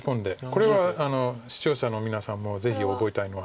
これは視聴者の皆さんもぜひ覚えたいのは。